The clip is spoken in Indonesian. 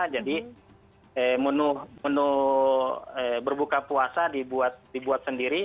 jadi menu berbuka puasa dibuat sendiri